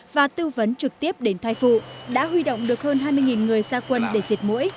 và tư vấn trực tiếp đến thai phụ đã huy động được hơn hai mươi người ra quân để diệt mũi